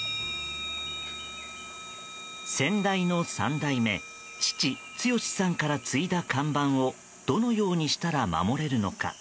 先代の３代目父・強さんから継いだ看板をどのようにしたら守れるのか